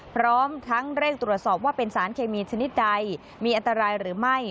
พร้อมทั้งเร่งตรวจสอบว่าเป็นสารเคมีชนิดใดมีอันตรายหรือไม่